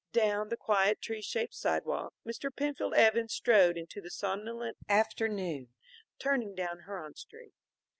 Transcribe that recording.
Down the quiet, tree shaped sidewalk, Mr. Penfield Evans strode into the somnolent afternoon, turning down Huron Street.